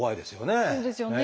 そうですよね。